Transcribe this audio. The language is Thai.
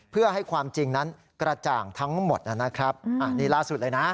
เพื่อให้ความจริงนั้นกระจ่างทั้งหมดนะครับอันนี้ล่าสุดเลยนะ